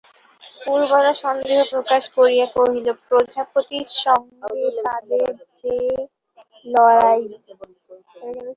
পুরবালা সন্দেহ প্রকাশ করিয়া কহিল, প্রজাপতির সঙ্গে তাদের যে লড়াই!